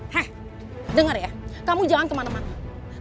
heh denger ya kamu jangan kemana mana